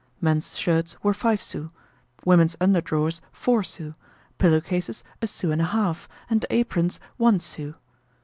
Men's shirts were five sous, women's underdrawers four sous, pillow cases a sou and a half, and aprons one sou.